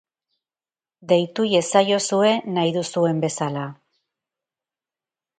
Deitu iezaiozue nahi duzuen bezala.